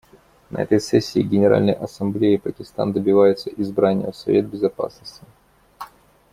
На этой сессии Генеральной Ассамблеи Пакистан добивается избрания в Совет Безопасности.